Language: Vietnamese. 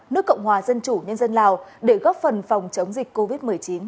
nước cộng hòa dân chủ nhân dân lào để góp phần phòng chống dịch covid một mươi chín